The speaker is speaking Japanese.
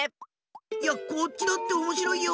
こっちだっておもしろいよ。